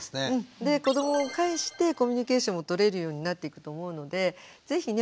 子どもを介してコミュニケーションもとれるようになっていくと思うので是非ね